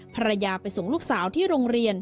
ภรรยาไปส่งลูกสาวที่โรงเรียน